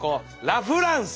ラフランス！